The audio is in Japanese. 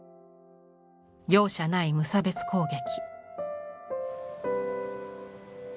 容赦ない無差別攻撃。